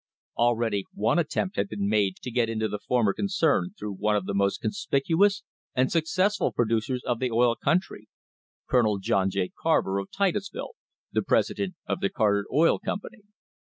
Already one attempt had been made to get into the former concern through one of the most conspicuous and successful producers of the oil country Colonel John J. Carter, of Titusville, the president of the Carter Oil Company.